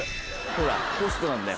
ほらポストなんだよ。